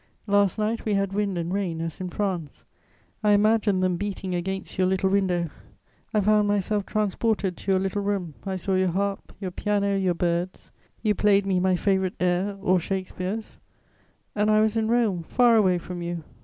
Last night we had wind and rain as in France: I imagined them beating against your little window; I found myself transported to your little room, I saw your harp, your piano, your birds; you played me my favourite air, or Shakspeare's: and I was in Rome, far away from you!